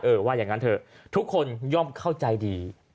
ว่าอย่างนั้นเถอะทุกคนย่อมเข้าใจดี